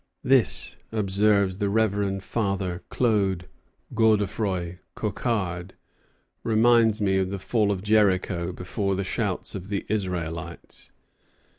"This," observes the Reverend Father Claude Godefroy Cocquard, "reminds me of the fall of Jericho before the shouts of the Israelites."